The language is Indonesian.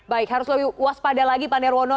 baik harus lebih waspada lagi pak nirwono